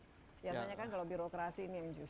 biasanya kan kalau birokrasi ini yang justru